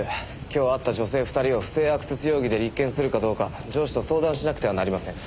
今日会った女性２人を不正アクセス容疑で立件するかどうか上司と相談しなくてはなりません。